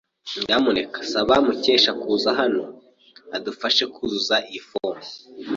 Nyamuneka saba Mukesha kuza hano adufashe kuzuza iyi fomu.